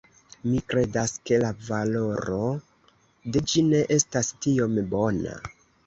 Mi kredas, ke la valoro de ĝi ne estas tiom bona